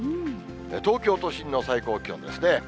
東京都心の最高気温ですね。